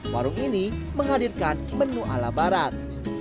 warung ini menghadirkan menu ala barat